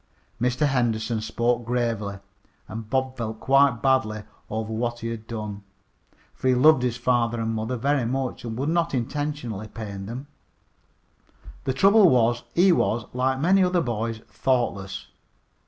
Mr. Henderson spoke gravely, and Bob felt quite badly over what he had done, for he loved his father and mother very much, and would not intentionally pain them. The trouble was he was, like many other boys, thoughtless.